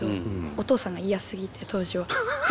お父さんが嫌すぎて当時は。